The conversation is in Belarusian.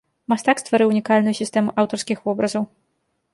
Мастак стварыў унікальную сістэму аўтарскіх вобразаў.